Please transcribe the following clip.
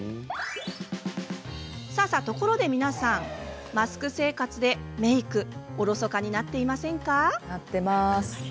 ところで皆さんマスク生活で、メイクおろそかになっていませんか。